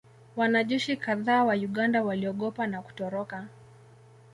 Wanajeshi kadhaa wa Uganda waliogopa na kutoroka